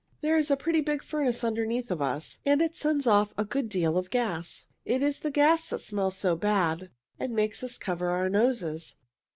There is a pretty big furnace underneath us, and it sends off a good deal of gas. It is the gas that smells so bad and makes us cover our noses."